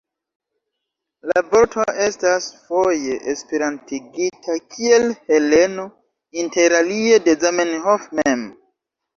La vorto estas foje esperantigita kiel Heleno, interalie de Zamenhof mem.